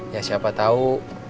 ya siapa tau